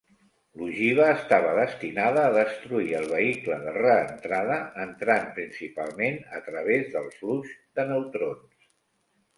L'ogiva estava destinada a destruir el vehicle de reentrada entrant principalment a través del flux de neutrons.